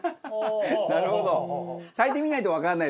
なるほど。